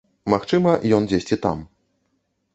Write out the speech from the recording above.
Магчыма, ён дзесьці там.